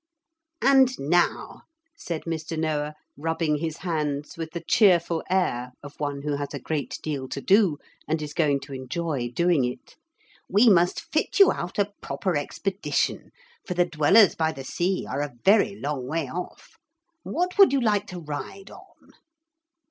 'And now,' said Mr. Noah, rubbing his hands with the cheerful air of one who has a great deal to do and is going to enjoy doing it, 'we must fit you out a proper expedition, for the Dwellers by the Sea are a very long way off. What would you like to ride on?'